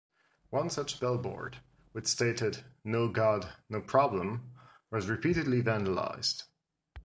One such billboard, which stated "No God...No Problem" was repeatedly vandalized.